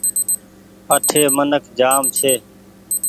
اٺي منک جآم ڇي۔